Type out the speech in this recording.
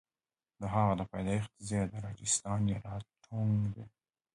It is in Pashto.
د هغه د پیدایښت ځای د راجستان ایالت ټونک دی.